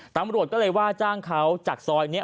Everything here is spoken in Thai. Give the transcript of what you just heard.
ตำรวจก็เลยว่าจ้างเขาจากซอยนี้